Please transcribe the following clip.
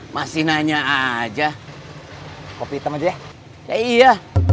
masih tidaknya x kulung maneira bagi saya